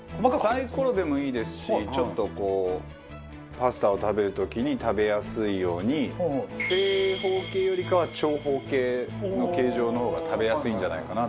サイコロでもいいですしちょっとこうパスタを食べる時に食べやすいように正方形よりかは長方形の形状の方が食べやすいんじゃないかなと。